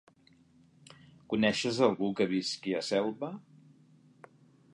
Coneixes algú que visqui a Selva?